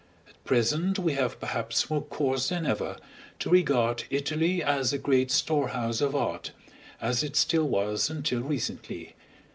At present we have perhaps more cause than ever to regard Italy as a great storehouse of art as it still was until recently.